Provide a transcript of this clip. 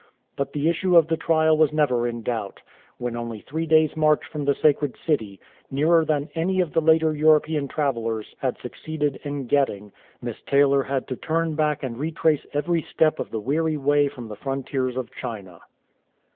But the issue of the trial was never in doubt. When only three days' march from the Sacred City, nearer than any of the later European travellers had succeeded in getting. Miss Taylor had to turn back and retrace every step of the weary way from the frontiers of China.